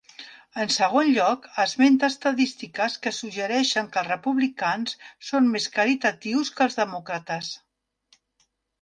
En segon lloc, esmenta estadístiques que suggereixen que els republicans són més caritatius que els demòcrates.